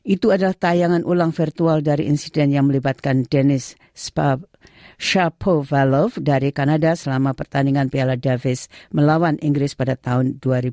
itu adalah tayangan ulang virtual dari insiden yang melibatkan deniz spalove dari kanada selama pertandingan piala davis melawan inggris pada tahun dua ribu dua